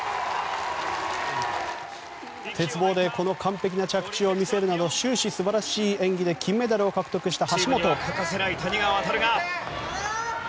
鉄棒で完璧な着地を見せるなど終始素晴らしい演技で金メダルを獲得した橋本。